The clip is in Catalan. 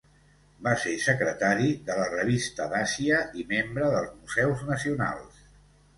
Va ser secretari de la Revista d'Àsia i membre dels Museus Nacionals.